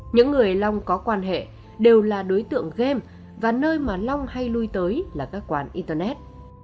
những người long có quan hệ đều là đối tượng game và nơi mà long hay lui tới là các quán internet